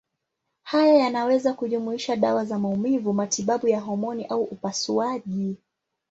Haya yanaweza kujumuisha dawa za maumivu, matibabu ya homoni au upasuaji.